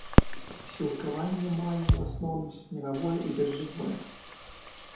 Сілкаванне мае ў асноўным снегавое і дажджавое.